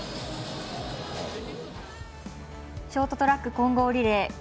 ショートトラック混合リレー